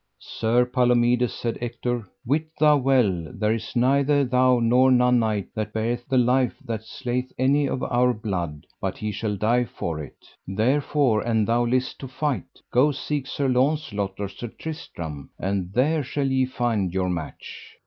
Sir Palomides, said Ector, wit thou well there is neither thou nor none knight that beareth the life that slayeth any of our blood but he shall die for it; therefore an thou list to fight go seek Sir Launcelot or Sir Tristram, and there shall ye find your match.